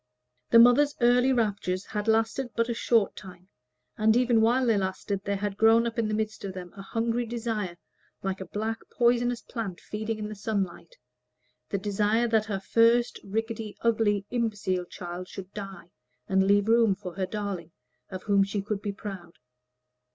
The mother's early raptures had lasted but a short time, and even while they lasted there had grown up in the midst of them a hungry desire, like a black poisonous plant feeding in the sunlight, the desire that her first, rickety, ugly, imbecile child should die, and leave room for her darling, of whom she could be proud.